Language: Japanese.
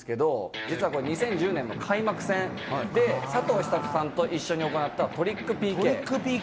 「実はこれ２０１０年の開幕戦で佐藤寿人さんと一緒に行ったトリックＰＫ」「トリックＰＫ？」